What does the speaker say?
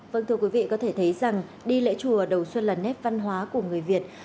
vâng thưa quý vị có thể thấy rằng đi lễ chùa đầu xuân là nét văn hóa của người việt